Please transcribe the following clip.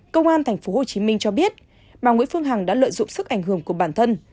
công an tp hcm cho biết bà nguyễn phương hằng đã lợi dụng sức ảnh hưởng của bản thân